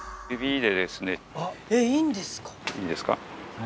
いいですか？